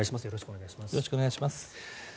よろしくお願いします。